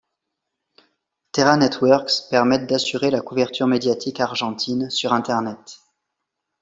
Terra Networks permettent d'assurer la couverture médiatique argentine sur Internet.